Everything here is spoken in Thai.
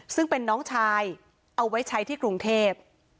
ซึ่งเป็นน้องชายเอาไว้ใช้ที่กรุงเทพ